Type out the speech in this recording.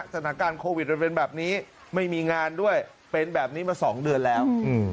สถานการณ์โควิดมันเป็นแบบนี้ไม่มีงานด้วยเป็นแบบนี้มา๒เดือนแล้ว